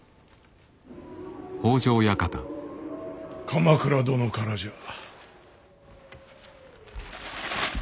鎌倉殿からじゃ。